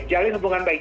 jalin hubungan baik